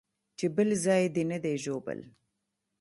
چې بل ځاى دې نه دى ژوبل.